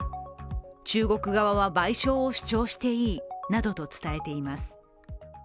中国側は賠償を主張していいなどと伝えています。